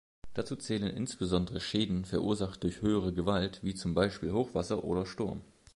Dazu zählen insbesondere Schäden verursacht durch höhere Gewalt wie zum Beispiel Hochwasser oder Sturm.